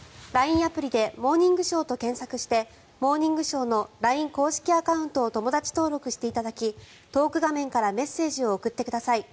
アプリで「モーニングショー」と検索をして「モーニングショー」のＬＩＮＥ公式アカウントを友だち登録していただきトーク画面からメッセージを送ってください。